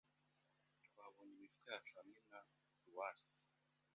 Twabonye imifuka yacu hamwe na bruwasi